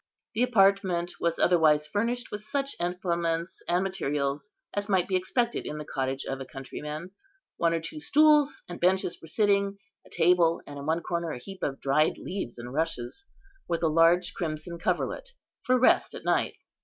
The apartment was otherwise furnished with such implements and materials as might be expected in the cottage of a countryman: one or two stools and benches for sitting, a table, and in one corner a heap of dried leaves and rushes, with a large crimson coverlet, for rest at night.